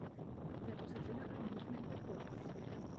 There was a general movement backwards.